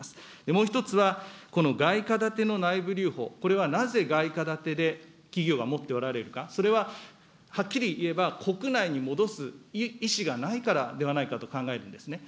もう１つは、この外貨建ての内部留保、これはなぜ、外貨建てで企業が持っておられるか、それははっきり言えば、国内に戻す意思がないからではないかと考えるんですね。